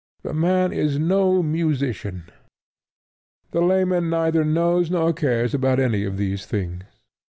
The man is no musician." The layman neither knows nor cares about any of these things.